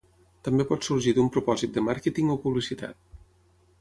També pot sorgir d'un propòsit de màrqueting o publicitat.